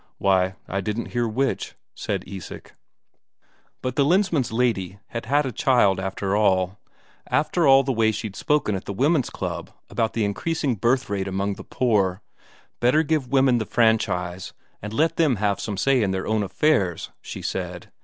"Why, I didn't hear which," said Isak. But the Lensmand's lady had had a child after all after all the way she'd spoken at the women's club about the increasing birth rate among the poor; better give women the franchise and let them have some say in their own affairs, she said.